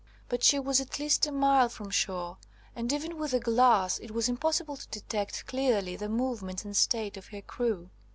But she was at least a mile from shore; and even with a glass it was impossible to detect clearly the movements and state of her crew.